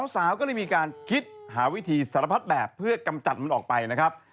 สาวก็เลยมีการคิดหาวิธีสารพัดแบบเพื่อกำจัดมันออกไปนะครับ